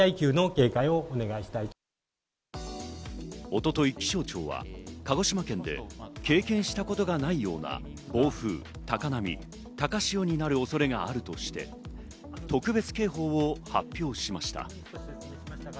一昨日、気象庁は鹿児島県で経験したことがないような暴風、高波、高潮になる恐れがあるとして特別警報を発表しました。